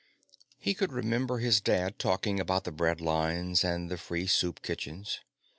He could remember his dad talking about the breadlines and the free soup kitchens.